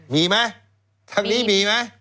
มีไหมทางนี้มีไหม